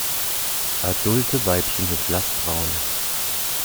Adulte Weibchen sind blass braun.